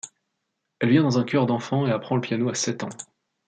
Elle vient dans un chœur d'enfants et apprend le piano à sept ans.